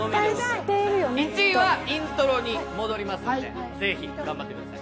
１位はイントロに戻りますのでぜひ頑張ってください。